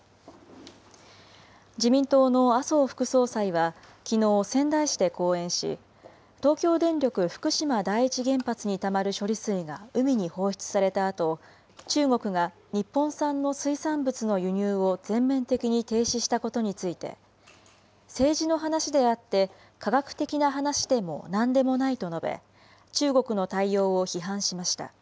自民党の麻生副総裁はきのう、仙台市で講演し、東京電力福島第一原発にたまる処理水が海に放出されたあと、中国が日本産の水産物の輸入を全面的に停止したことについて、政治の話であって、科学的な話でもなんでもないと述べ、中国の対応を批判しました。